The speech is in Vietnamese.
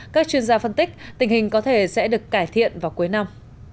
các chuyên gia phân tích tình hình có thể sẽ được cải thiện vào cuối năm